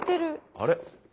あれ？